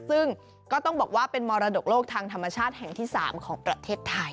ซึ่งก็ต้องบอกว่าเป็นมรดกโลกทางธรรมชาติแห่งที่๓ของประเทศไทย